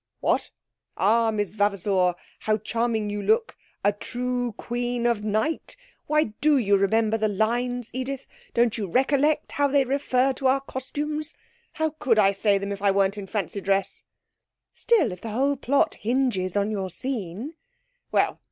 'What! "Ah, Miss Vavasour, how charming you look a true Queen of Night!" Why, do you remember the lines, Edith? Don't you recollect how they refer to our costumes? How could I say them if we weren't in fancy dress?' 'Still, if the whole plot hinges on your scene ' 'Well!